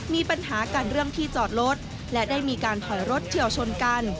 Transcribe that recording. มีปัญหากันเรื่องที่จอดรถและได้มีการถอยรถเฉียวชนกัน